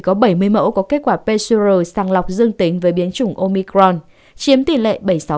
có bảy mươi mẫu có kết quả pcr sàng lọc dương tính với biến chủng omicron chiếm tỷ lệ bảy mươi sáu